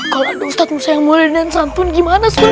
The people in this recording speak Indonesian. kalau ada ustadz musayam mulin dan santun gimana asun